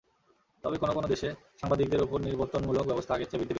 তবে কোনো কোনো দেশে সাংবাদিকদের ওপর নিবর্তনমূলক ব্যবস্থা আগের চেয়ে বৃদ্ধি পেয়েছে।